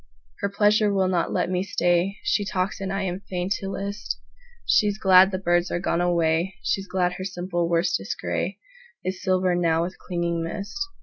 Her pleasure will not let me stay. She talks and I am fain to list:She's glad the birds are gone away, She's glad her simple worsted grayIs silver now with clinging mist.